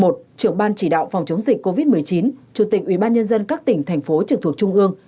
trưởng ban chỉ đạo phòng chống dịch covid một mươi chín chủ tịch ubnd các tỉnh thành phố trực thuộc trung ương